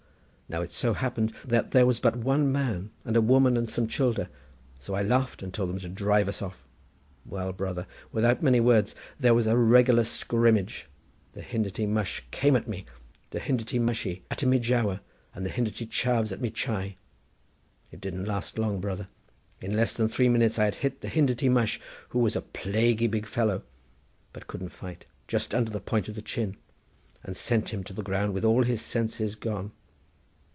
Now it so happened that there was but one man and a woman and some childer, so I laughed, and told them to drive us off. Well, brother, without many words, there was a regular scrimmage. The Hindity mush came at me, the Hindity mushi at my juwa, and the Hindity chaves at my chai. It didn't last long, brother. In less than three minutes I had hit the Hindity mush, who was a plaguey big fellow, but couldn't fight, just under the point of the chin, and sent him to the ground with all his senses gone.